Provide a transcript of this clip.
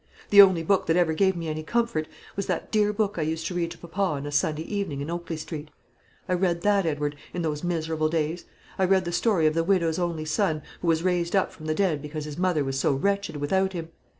The only book that ever gave me any comfort, was that dear Book I used to read to papa on a Sunday evening in Oakley Street. I read that, Edward, in those miserable days; I read the story of the widow's only son who was raised up from the dead because his mother was so wretched without him.